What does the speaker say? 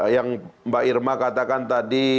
yang mbak irma katakan tadi